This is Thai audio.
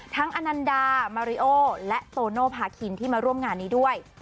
อนันดามาริโอและโตโนภาคินที่มาร่วมงานนี้ด้วย